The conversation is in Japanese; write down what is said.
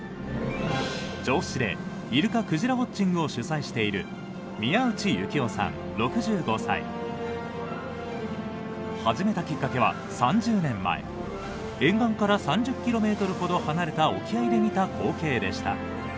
銚子でイルカ・クジラウォッチングを主催している始めたきっかけは３０年前沿岸から３０キロメートルほど離れた沖合で見た光景でした。